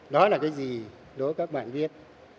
đó là cái gì đối với các bạn biết